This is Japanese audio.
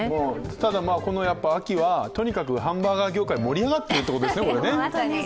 ただ、秋はとにかくハンバーガー業界盛り上がってるということですね。